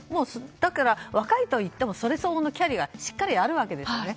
だから、若いといってもそれ相応のキャリアがしっかりあるんですね。